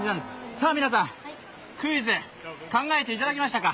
さあ皆さん、クイズ考えていただきましたか？